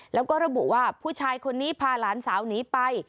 แล้วก็ระบุว่าผู้ชายคนนี้พาหลานสาวหนีไป